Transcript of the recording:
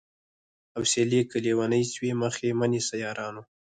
حوصلې که ليونۍ سوې مخ يې مه نيسئ يارانو